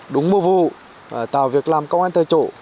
đúng mô vụ tạo việc làm công an tại chỗ